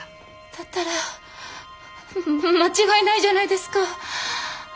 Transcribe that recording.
だったら間違いないじゃないですか。